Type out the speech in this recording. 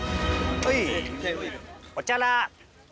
はい！